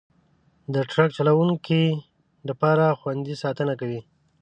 د ټرک چلوونکي د بار خوندي ساتنه کوي.